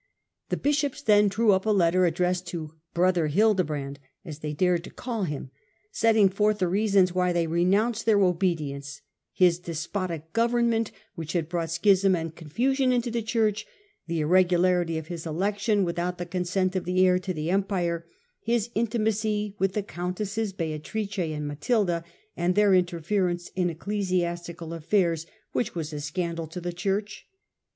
The bishops then drew up a letter addressed to * brother Hildebrand,* as they dared to Gregory Call him, Setting forth the reasons why they thecouncu renouncod their obedience: his despotic government, which had brought schism and confusion into the Church ; the irregularity of his election, with out the consent of the heir to the empire ; his intimacy with the countesses Beatrice and Matilda, and their interference in ecclesiastical affairs, which was a scandal to the Church.